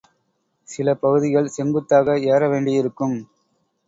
சில பகுதிகள் செங்குத்தாக ஏற வேண்டியிருக்கும்.